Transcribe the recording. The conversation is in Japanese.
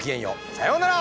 さようなら。